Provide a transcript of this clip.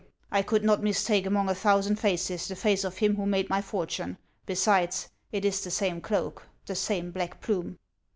I could not mistake among a thousand faces the face of him who made my fortune ; besides, it is the same cloak, the same black plume."